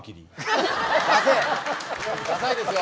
ダサいですよ。